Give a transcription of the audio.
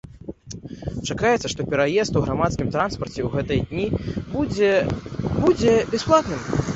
Чакаецца, што праезд у грамадскім транспарце ў гэтыя дні будзе будзе бясплатным.